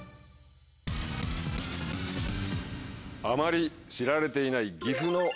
あまり知られていない岐阜の。